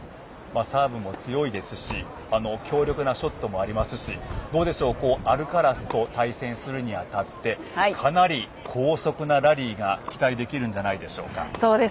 サーブも強いですし強力なショットもありますしアルカラスと対戦するにあたってかなり高速なラリーが期待できるんじゃないでしょうか。